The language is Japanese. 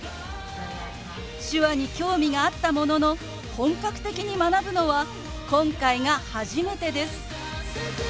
手話に興味があったものの本格的に学ぶのは今回が初めてです。